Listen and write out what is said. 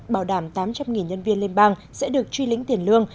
bảo đảm tám trăm linh nhân viên liên bang sẽ được truy lĩnh tiền lương